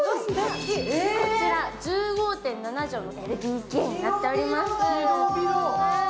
こちら１５．７畳のＬＤＫになっております。